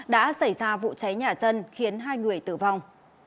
đã xảy ra vụ cháy nhà dân khiến hai người tử vong